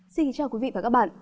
xin chào quý vị và các bạn